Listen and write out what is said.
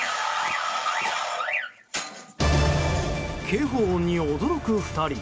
警報音に驚く２人。